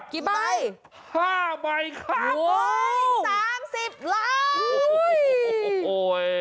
กี่ใบห้าใบครับโอ้โหสามสิบล้านโอ้โหโอ้โหโอ้โห